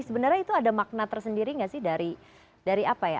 sebenarnya itu ada makna tersendiri nggak sih dari apa ya